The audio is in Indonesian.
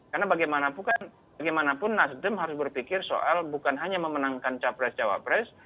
karena bagaimanapun nasdem harus berpikir soal bukan hanya memenangkan capres cawapres